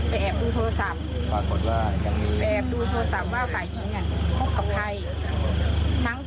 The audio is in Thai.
ไปไปดูเฟสดูอะไรเขาว่าควบกับใครตอนนี้ว่าควบกับใครนั่นแหละปัญหาของมัน